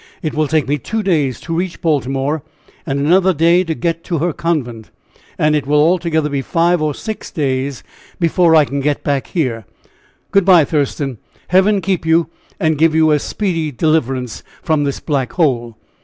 It will take me two days to reach Baltimore, another day to get to her convent, and it will altogether be five or six days before I can get back here. Good by, Thurston! Heaven keep you, and give you a speedy deliverance from this black hole!"